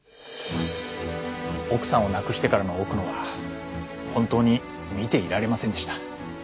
奥さんを亡くしてからの奥野は本当に見ていられませんでした。